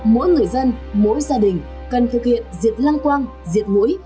mỗi người dân mỗi gia đình cần thực hiện diệt lăng quang diệt mũi